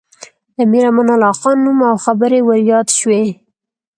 د امیر امان الله خان نوم او خبرې ور یادې شوې.